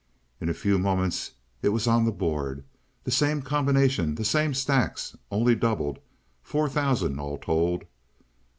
In a few moments it was on the board—the same combination, the same stacks, only doubled—four thousand all told.